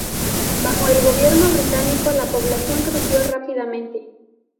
Bajo el gobierno británico la población creció rápidamente.